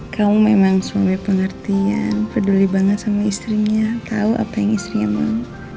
kamu memang sulit pengertian peduli banget sama istrinya tau apa yang istrinya mau